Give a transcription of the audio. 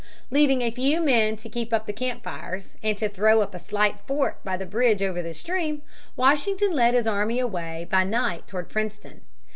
Leaving a few men to keep up the campfires, and to throw up a slight fort by the bridge over the stream, Washington led his army away by night toward Princeton.